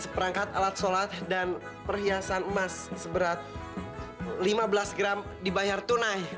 seratus perangkat alat sholat dan perhiasan emas seberat lima belas gram dibayar tunai